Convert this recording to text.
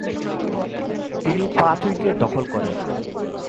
তিনি পাঁচ উইকেট দখল করেন।